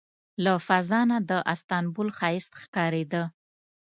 له فضا نه د استانبول ښایست ښکارېده.